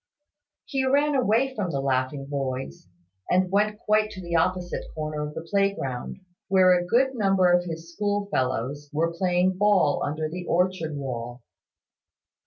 He ran away from the laughing boys, and went quite to the opposite corner of the playground, where a good number of his schoolfellows were playing ball under the orchard wall.